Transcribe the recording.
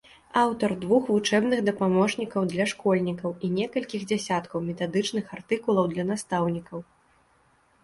Аўтар двух вучэбных дапаможнікаў для школьнікаў і некалькіх дзясяткаў метадычных артыкулаў для настаўнікаў.